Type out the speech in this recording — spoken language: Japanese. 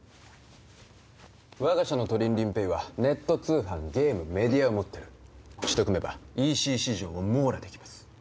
我が社のトリンリンＰａｙはネット通販ゲームメディアを持ってるうちと組めばＥＣ市場を網羅できます